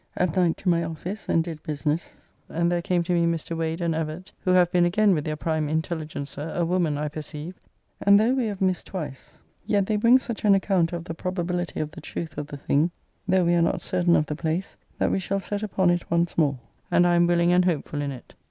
At night to my office, and did business; and there came to me Mr. Wade and Evett, who have been again with their prime intelligencer, a woman, I perceive: and though we have missed twice, yet they bring such an account of the probability of the truth of the thing, though we are not certain of the place, that we shall set upon it once more; and I am willing and hopefull in it.